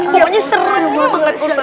pokoknya seru banget